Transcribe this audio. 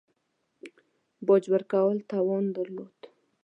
باج ورکولو توان درلود.